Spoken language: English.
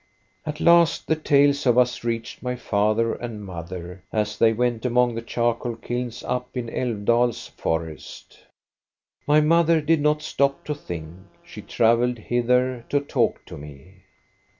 "At last the tales of us reached my father and mother, as they went among the charcoal kilns up in Alfdal's forest. My mother did not stop to think; she travelled hither to talk to me.